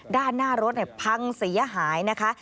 ด้านหน้ารถพังเสียหายนะคะ